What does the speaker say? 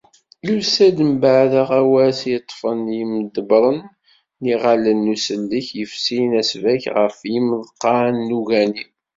Yusa-d mbeεd aɣawas i ṭṭfen yimḍebbren n yiɣallen n usellek yefsin asbak ɣef yimeḍqan n ugani.